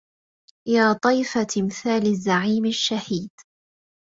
يا طيف تمثال الزعيم الشهيد